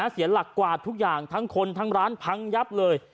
เสียหลักกวาดทุกอย่างทั้งคนทั้งร้านพังยับเลย